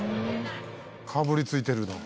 「かぶりついてるな」